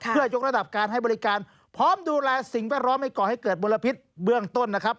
เพื่อยกระดับการให้บริการพร้อมดูแลสิ่งแวดล้อมให้ก่อให้เกิดมลพิษเบื้องต้นนะครับ